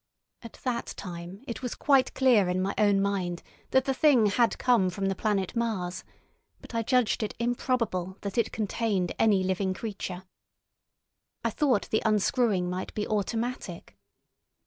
At that time it was quite clear in my own mind that the Thing had come from the planet Mars, but I judged it improbable that it contained any living creature. I thought the unscrewing might be automatic.